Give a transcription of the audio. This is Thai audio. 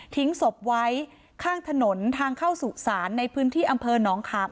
ศพไว้ข้างถนนทางเข้าสุสานในพื้นที่อำเภอหนองขาม